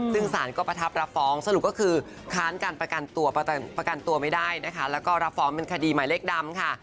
ซึ่งสารก็ประทับรับฟ้องสรุปก็คือค้านการประกันตัวประกันตัวไม่ได้นะคะแล้วก็รับฟ้องเป็นคดีหมายเลขดำค่ะ